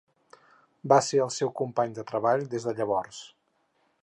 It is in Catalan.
Va ser el seu company de treball des de llavors.